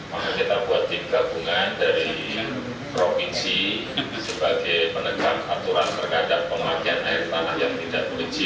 maka kita buat tim gabungan dari provinsi sebagai penegak aturan berkadang pemakaian air tanah yang tidak kulit